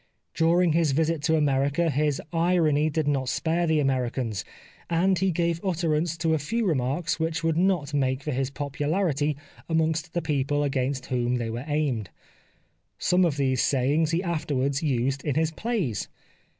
During his visit to America his irony did not spare the Americans, and he gave utterance to a few remarks which would not make for his popularity amongst the people against whom they were aimed. Some of these sayings he afterwards used in his plays.